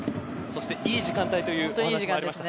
そして、いい時間帯というお話がありました。